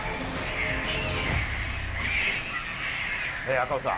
赤星さん